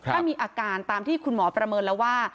ถ้ามีอาการตามที่คุณหมอประเมินแล้วว่า